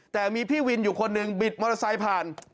แต่มีพี่วินอยู่คนหนึ่งบิดมอเตอร์ไซค์ผ่าน